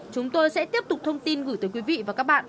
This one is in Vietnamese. chúng tôi sẽ tiếp tục thông tin gửi tới quý vị và các bạn